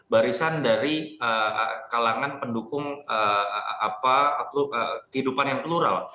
barisan dari kalangan pendukung kehidupan yang plural